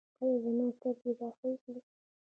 ایا زما سترګې به ښې شي؟